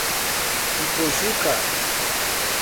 Ipojuca